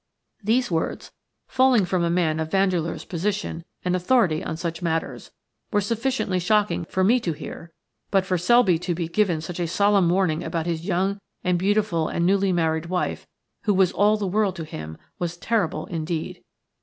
These words, falling from a man of Vandeleur's position and authority on such matters, were sufficiently shocking for me to hear, but for Selby to be given such a solemn warning about his young and beautiful and newly married wife, who was all the world to him, was terrible indeed.